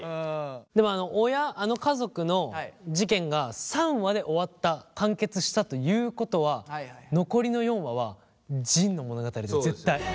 でも親あの家族の事件が３話で終わった完結したということは残りの４話は仁の物語だよ絶対。